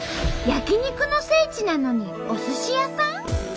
焼き肉の聖地なのにおすし屋さん？